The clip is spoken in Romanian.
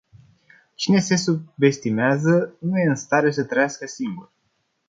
Cine se subestimează, nu e în stare să trăiască singur.